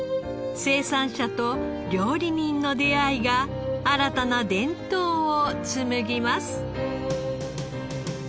生産者と料理人の出会いが新たな伝統を紡ぎます。